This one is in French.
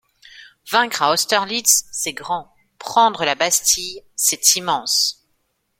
Vaincre à Austerlitz, c’est grand, prendre la Bastille, c’est immense.